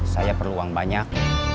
saya perlu uang banyak